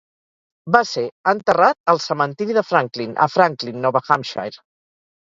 Va ser enterrat al cementiri de Franklin, a Franklin, Nova Hampshire.